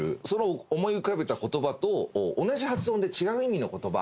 思い浮かべた言葉と同じ発音で違う意味の言葉